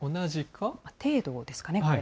程度ですかね、これ。